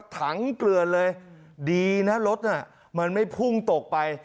ถังเกลือนเลยดีนะรถน่ะมันไม่พุ่งตกไป